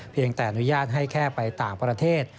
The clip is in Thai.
แต่อนุญาตให้แค่ไปต่างประเทศ